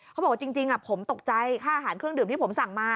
เขาบอกว่าจริงผมตกใจค่าอาหารเครื่องดื่มที่ผมสั่งมา